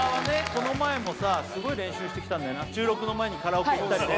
この前もさすごい練習してきたんだよな収録の前にカラオケ行ったりね